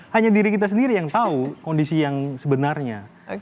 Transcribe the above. hanya diri kita sendiri yang tahu kondisi yang sebenarnya